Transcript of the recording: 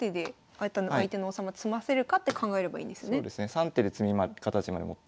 ３手で詰みの形まで持っていけると。